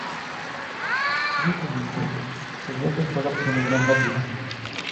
Súbitamente se vio afectada por una gran fatiga.